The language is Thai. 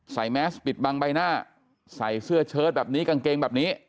แมสปิดบังใบหน้าใส่เสื้อเชิดแบบนี้กางเกงแบบนี้